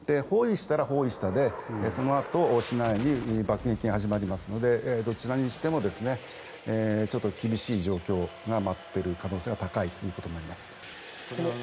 包囲したら包囲したでそのあと市内に爆撃が始まるのでどちらにしても厳しい状況が待っている可能性が高いということになります。